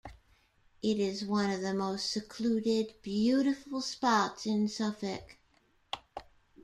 It is one of the most secluded, beautiful spots in Suffolk.